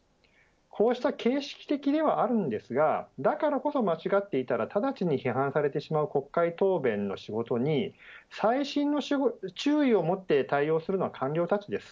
こうした形式的ではあるんですがだからこそ間違っていたら直ちに批判されてしまう国会答弁の仕事に細心の注意を持って対応するのは官僚たちです。